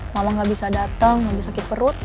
mama gak bisa dateng gak bisa sakit perut